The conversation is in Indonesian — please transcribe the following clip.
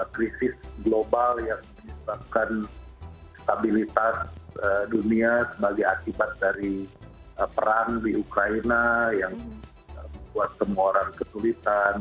krisis global yang menyebabkan stabilitas dunia sebagai akibat dari perang di ukraina yang membuat semua orang kesulitan